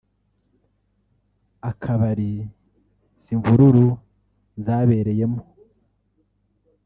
akabari izi mvururu zabereyemo